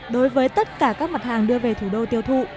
đối với tất cả các mặt hàng đưa về thủ đô tiêu thụ